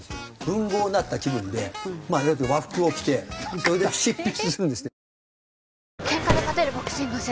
文豪になった気分で和服を着てそれで執筆するんですって。